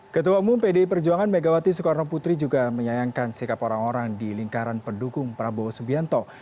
ketua umum pdi perjuangan megawati soekarno putri juga menyayangkan sikap orang orang di lingkaran pendukung prabowo subianto